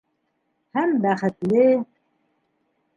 Һәм бәхетле.